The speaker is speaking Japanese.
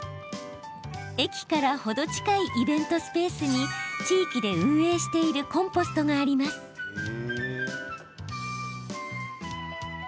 駅からほど近いイベントスペースに地域で運営しているコンポストがあります。